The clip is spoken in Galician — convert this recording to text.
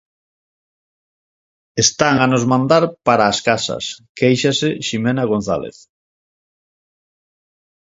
Están a nos mandar para as casas, quéixase Ximena González.